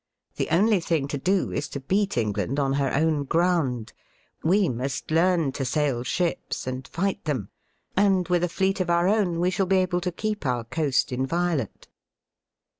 The only thing to do is to beat England on her own ground : we must learn to sail ships and fight them, and with a fleet of our own we shall be able to keep our coast inviolate."